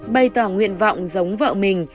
bày tỏ nguyện vọng giống vợ mình